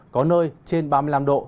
có nơi trên ba mươi năm độ